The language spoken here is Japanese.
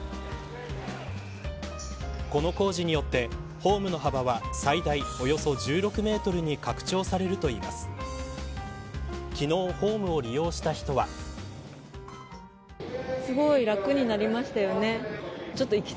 この工事によってホームの幅は最大およそ１６メートルに拡張されるといいます。